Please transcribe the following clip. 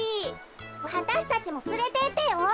わたしたちもつれてってよ。